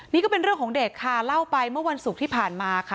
นี่ก็เป็นเรื่องของเด็กค่ะเล่าไปเมื่อวันศุกร์ที่ผ่านมาค่ะ